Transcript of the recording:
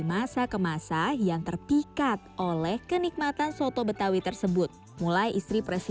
nah kalau anda mencicipi soto betawi haji ma'ruf ini